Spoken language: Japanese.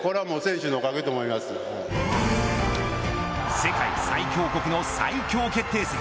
世界最強国の最強決定戦。